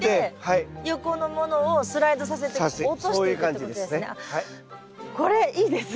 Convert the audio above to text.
横のものをスライドさせて落としていくってことですね。